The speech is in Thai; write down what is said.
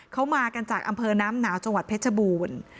เขามากันจากอำเภอน้ำหนาวจังหวัดเพชรบูรณ์